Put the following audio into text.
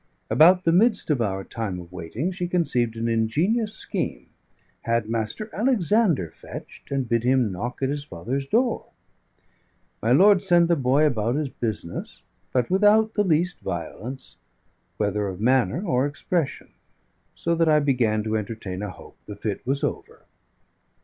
About the midst of our time of waiting, she conceived an ingenious scheme, had Mr. Alexander fetched, and bid him knock at his father's door. My lord sent the boy about his business, but without the least violence, whether of manner or expression; so that I began to entertain a hope the fit was over.